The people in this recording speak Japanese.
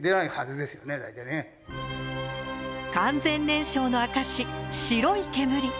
完全燃焼の証し白い煙。